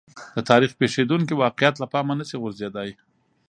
د تاریخ پېښېدونکي واقعات له پامه نه شي غورځېدای.